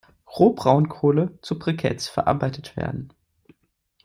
Rohbraunkohle zu Briketts verarbeitet werden.